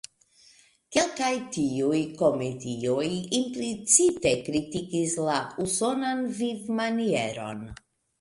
Kelkaj tiuj komedioj implicite kritikis la usonan vivmanieron.